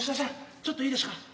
ちょっといいでしゅか？